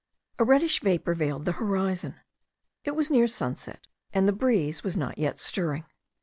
A reddish vapour veiled the horizon. It was near sunset, and the breeze was not yet stirring.